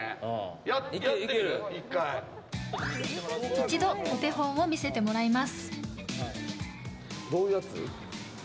一度お手本を見せてもらいます。